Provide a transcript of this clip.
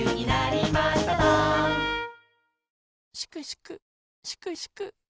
・しくしくしくしく。